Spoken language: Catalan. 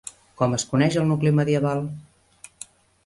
Com es coneix el nucli medieval?